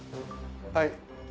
はい。